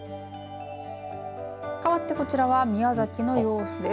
かわってこちらは宮崎の様子です。